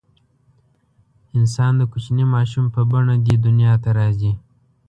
انسان د کوچني ماشوم په بڼه دې دنیا ته راځي.